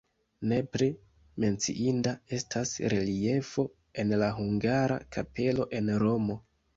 Nepre menciinda estas reliefo en la hungara kapelo en Romo.